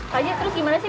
pak jir terus gimana sih